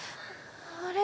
あれ？